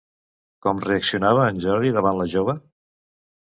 Com reaccionava en Jordi davant la jove?